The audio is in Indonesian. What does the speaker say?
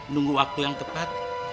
nunggu waktu yang tepat